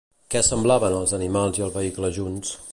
Què semblaven els animals i el vehicle junts?